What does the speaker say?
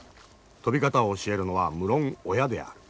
飛び方を教えるのは無論親である。